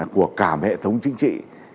của cả hệ thống chính trị